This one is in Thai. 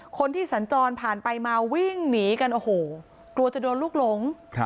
คนที่สัญจรผ่านไปมาวิ่งหนีกันโอ้โหกลัวจะโดนลูกหลง